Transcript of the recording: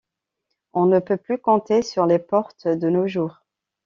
On ne peut plus compter sur les portes, de nos jours.